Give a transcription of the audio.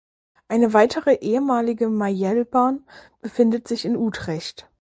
Eine weitere ehemalige Maille-Bahn befindet sich in Utrecht.